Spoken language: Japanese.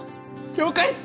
了解っす！